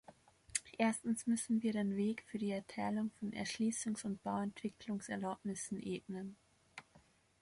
Erstens müssen wir den Weg für die Erteilung von Erschließungs- und Bauentwicklungserlaubnissen ebnen.